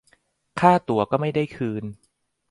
ค่าตั๋วก็ไม่ได้คืน